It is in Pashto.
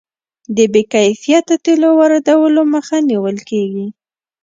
د بې کیفیته تیلو واردولو مخه نیول کیږي.